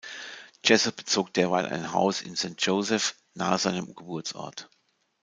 Jesse bezog derweil ein Haus in Saint Joseph, nahe seinem Geburtsort.